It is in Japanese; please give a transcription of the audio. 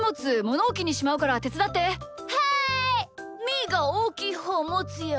みーがおおきいほうもつよ。